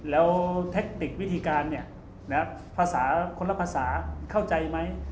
แล้วแทคติกวิธีการภาษาคนละภาษาเข้าใจไหม